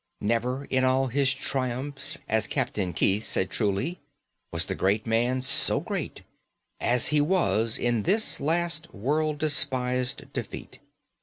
Never in all his triumphs, as Captain Keith said truly, was the great man so great as he was in this last world despised defeat.